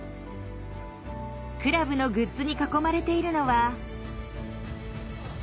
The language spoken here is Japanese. クラブのグッズに囲まれているのは。